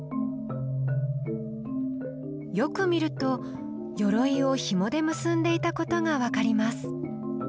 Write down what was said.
よく見ると甲をひもで結んでいたことが分かります。